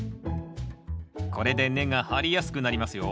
これで根が張りやすくなりますよ。